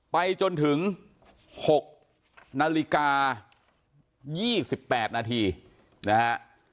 ไปจนถึง๖นาฬิกา๒๘นาทีนะฮะ